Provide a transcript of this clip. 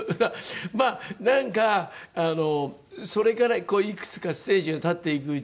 まあなんかそれからいくつかステージに立っていくうちに。